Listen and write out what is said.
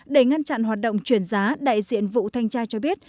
để ngăn chặn hoạt động chuyển giá đại diện vụ thanh tra cho biết